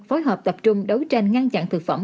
phối hợp tập trung đấu tranh ngăn chặn thực phẩm